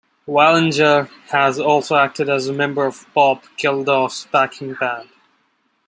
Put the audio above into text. Wallinger has also acted as a member of Bob Geldof's backing band.